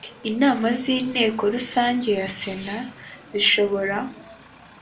inama z inteko rusange ya sena zishobora